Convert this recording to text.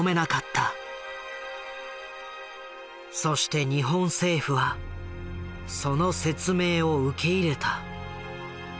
そして日本政府はその説明を受け入れた。